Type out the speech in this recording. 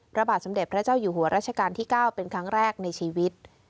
พระบาทสมเด็จพระเจ้าอยู่หัวรัชกาลที่๙เป็นครั้งแรกในชีวิต